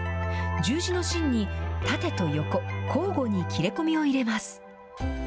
十字の芯に縦と横交互に切れ込みを入れます。